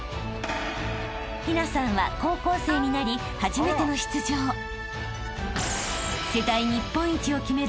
［陽奈さんは高校生になり初めての出場］［世代日本一を決める